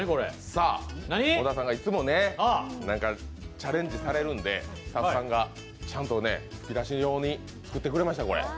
さあ、小田さんがいつもチャレンジされるので、スタッフさんがちゃんと作ってくれました。